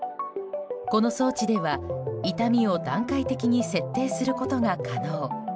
この装置では痛みを段階的に設定することが可能。